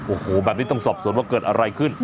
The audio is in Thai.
โอ้โหแบบนี้ต้องสอบส่วนว่าเกิดอะไรขึ้น